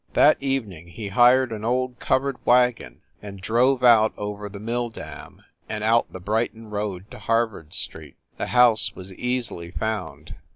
That evening he hired an old covered wagon, and drove out over the milldam, and out the Brighton road to Harvard Street. The house was easily found.